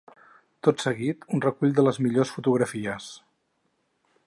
Tot seguit un recull de les millors fotografies.